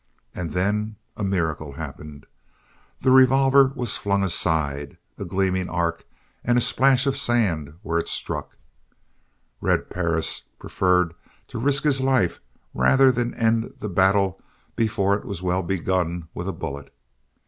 And then a miracle happened. The revolver was flung aside, a gleaming arc and a splash of sand where it struck; Red Perris preferred to risk his life rather than end the battle before it was well begun with a bullet.